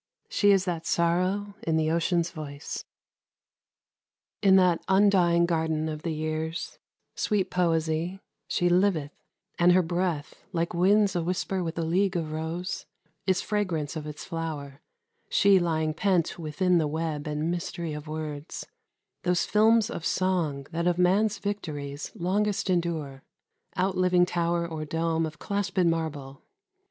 She is that sorrow in the ocean's voice. In that undying garden of the years, Sweet poesy, she liveth, and her breath, Like winds a whisper with a league of rose, Is fragrance of its flower, she lying pent Within the web and mystery of words, Those films of song that of man's victories Longest endure, outliving tower or dome Of clasped marble.